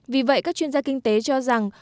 vì vậy các chuyên gia kinh tế cho rằng